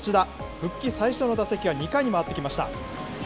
復帰最初の打席は２回に回ってきました。